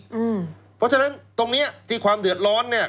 เพราะฉะนั้นตรงนี้ที่ความเดือดร้อนเนี่ย